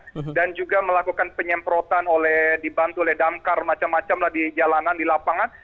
mereka juga melakukan penyemprotan oleh dibantu oleh damkar macam macamlah di jalanan di lapangan